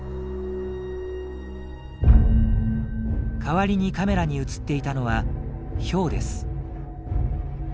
代わりにカメラに写っていたのはヒョウです。